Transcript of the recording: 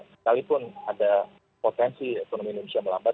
sekalipun ada potensi ekonomi indonesia melambat